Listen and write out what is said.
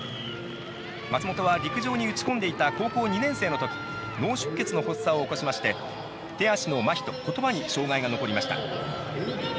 松本は陸上に打ち込んでいた高校２年生の時脳出血の発作を起こしまして手足のまひと、言葉に障がいが残りました。